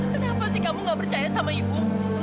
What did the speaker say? kenapa sih kamu gak percaya sama ibu